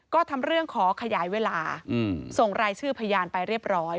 ก็ทำเรื่องขอขยายเวลาส่งรายชื่อพยานไปเรียบร้อย